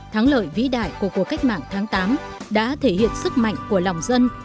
thắng lợi vĩ đại của cuộc cách mạng tháng tám đã thể hiện sức mạnh của lòng dân